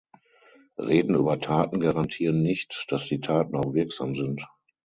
Reden über Taten garantieren nicht, dass die Taten auch wirksam sind.